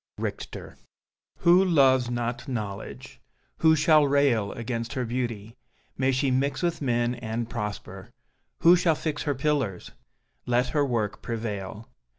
Richter Who loves not Knowledge? Who shall rail Against her beauty? May she mix With men and prosper! Who shall fix Her pillars? Let her work prevail.